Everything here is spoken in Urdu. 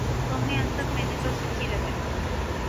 قوم نے انتھک محنت اور سچی لگن